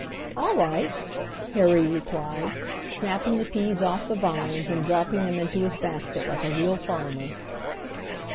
"All right," Harry replied, snapping the peas off the vines and dropping them into his basket like a real farmer.